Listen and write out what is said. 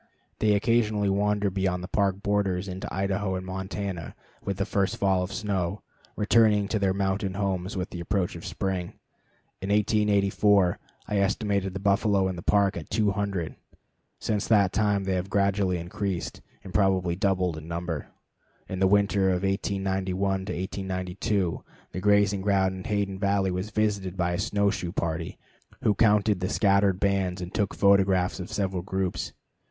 They occasionally wander beyond the Park borders into Idaho and Montana with the first fall of snow, returning to their mountain homes with the approach of spring. In 1884 I estimated the buffalo in the Park at 200; since that time they have gradually increased, and have probably doubled in number. In the winter of 1891 92 the grazing ground in Hayden Valley was visited by a snowshoe party, who counted the scattered bands and took photographs of several groups.